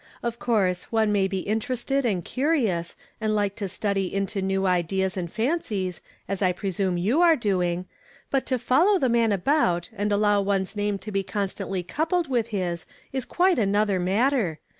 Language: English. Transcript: Oi' course one may be interested and curious, and like to study into new ideas and fancies, as I presume you are doing; but to follow the man aliout, and allow one's name to be constantly coupled with his, is quite another matter.